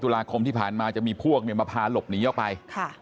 อุตกราคมที่ผ่านมาจะมีพวกมันมาพาหลบหนีเข้าไป